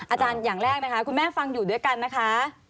อย่างแรกนะคะคุณแม่ฟังอยู่ด้วยกันนะคะ